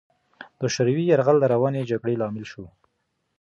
د شوروي یرغل د روانې جګړې لامل شو.